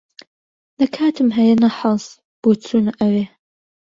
نە کاتم ھەیە نە حەز، بۆ چوونە ئەوێ.